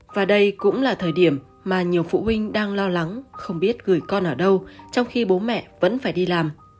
và đây cũng là thời điểm mà nhiều phụ huynh đang lo lắng không biết gửi con ở đâu trong khi bố mẹ vẫn phải đi làm